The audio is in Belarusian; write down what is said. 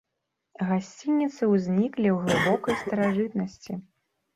Гасцініцы ўзніклі ў глыбокай старажытнасці.